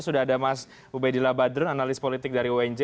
sudah ada mas ubedillah badrun analis politik dari unj